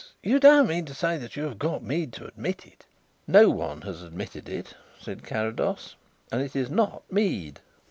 you don't mean to say that you have got Mead to admit it?" "No one has admitted it," said Carrados. "And it is not Mead."